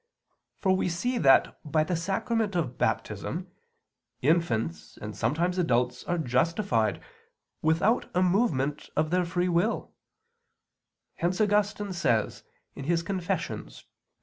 For we see that by the sacrament of Baptism, infants and sometimes adults are justified without a movement of their free will: hence Augustine says (Confess.